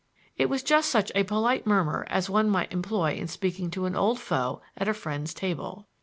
It was just such a polite murmur as one might employ in speaking to an old foe at a friend's table.